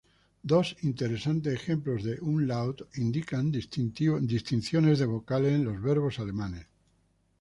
Dos interesantes ejemplos de "umlaut" implican distinciones de vocales en los verbos alemanes.